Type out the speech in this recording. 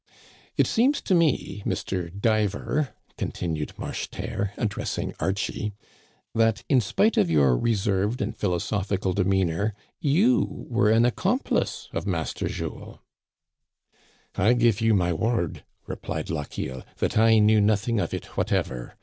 " It seems to me, Mr. Diver," continued Marche terre, addressing Archie, that, in spite of your reserved and philosophical demeanor, you were an accomplice of Master Jules." "I give you my word," replied Lochiel, "that I knew nothing of it whatever.